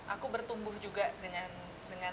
aku bertumbuh juga dengan